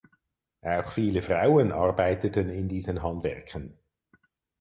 Auch viele Frauen arbeiteten in diesen Handwerken.